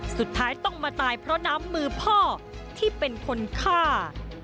สุดท้ายต้องมาตายเพราะน้ำมือพ่อที่เป็นคนฆ่า